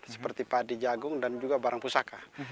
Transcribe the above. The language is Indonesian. seperti padi jagung dan juga barang pusaka